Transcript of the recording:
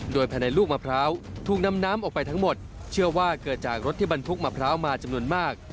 โดยภายในลูกมะพร้าวถูกนำน้ำออกไปทั้งหมดเชื่อว่าเกิดจากรถที่บรรทุกมะพร้าวมาจำนวนมาก